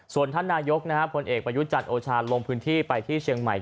ส่วนท่านนายกผลเอกประยุจันทร์โอชาลงพื้นที่ไปที่เชียงใหม่